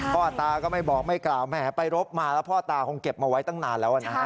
พ่อตาก็ไม่บอกไม่กล่าวแหมไปรบมาแล้วพ่อตาคงเก็บมาไว้ตั้งนานแล้วนะฮะ